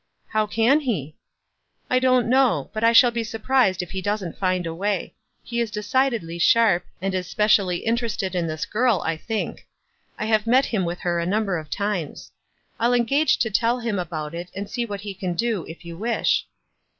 '"" How can he ?"" I don't know ; but I shall be surprised if he doesn't find a way. He is decidedly sharp, and is specially interested in this girl, I think. I have met him with her a number of times. I'll engage to tell him about it, and see what he can do, if you wish."